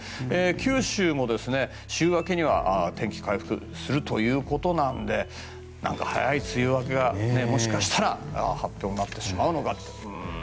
九州も週明けには天気が回復するということなので早い梅雨明けがもしかしたら発表になってしまうのかと。